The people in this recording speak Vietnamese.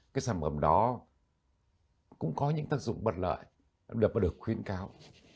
cái sản phẩm đó cũng có những tác dụng bất lợi được khuyến cáo